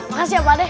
makasih ya pak deh